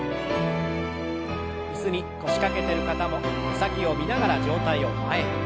椅子に腰掛けてる方も手先を見ながら上体を前に。